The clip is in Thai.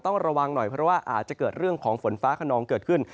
ต้องระวังหน่อยเพราะว่าอาจจะเกิดเรื่องของฝนฟ้าขนองเกิดขึ้น